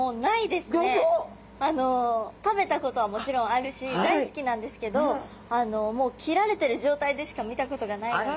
食べたことはもちろんあるし大好きなんですけどもう切られてる状態でしか見たことがないので。